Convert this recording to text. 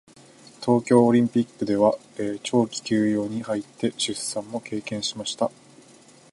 東京オリンピックでは長期休養に入って出産も経験しました。